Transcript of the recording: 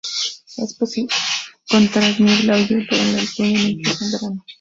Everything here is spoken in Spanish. Es posible encontrar niebla o hielo en el túnel, incluso en verano.